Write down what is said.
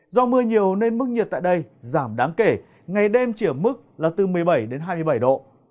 do mưa nhiều nên mức nhiệt tại đây giảm đáng kể ngày đêm chỉ ở mức là từ một mươi bảy đến hai mươi bảy độ